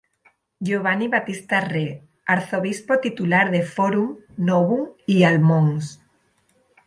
Giovanni Battista Re, arzobispo titular de Forum Novum, y al Mons.